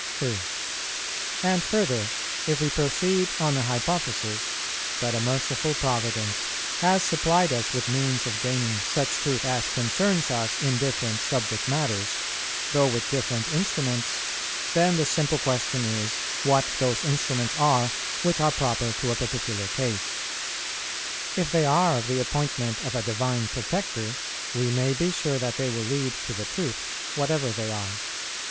2. And, further, if we proceed on the hypothesis that a merciful Providence has supplied us with means of gaining such truth as concerns us, in different subject matters, though with different instruments, then the simple question is, what those instruments are which are proper to a particular case. If they are of the appointment of a Divine Protector, we may be sure that they will lead to the truth, whatever they are.